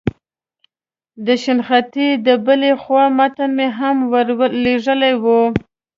د شنختې د بلې خوا متن مې هم ور لېږلی و.